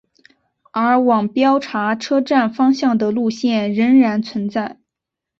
而往标茶车站方向的路线仍然存在。